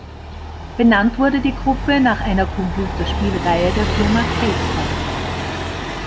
Benannt wurde die Gruppe nach einer Computerspielreihe der Firma Capcom.